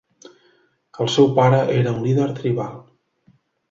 El seu pare era un líder tribal.